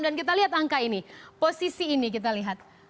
dan kita lihat angka ini posisi ini kita lihat